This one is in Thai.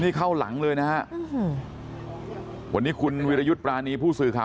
นี่เข้าหลังเลยวันนี้คุณวิรยุตรประณีผู้สื่อค่า